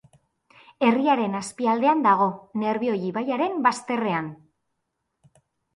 Herriaren azpialdean dago, Nerbioi ibaiaren bazterrean.